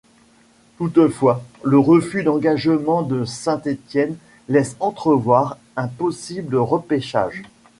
Toutefois, le refus d'engagement de Saint-Étienne laisse entrevoir un possible repêchage.